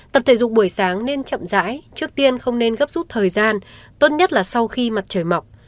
tập thể dục buổi sáng nên chậm rãi trước tiên không nên gấp rút thời gian tốt nhất là sau khi mặt trời mọc